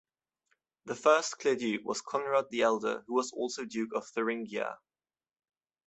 The first clear duke was Conrad the Elder, who was also Duke of Thuringia.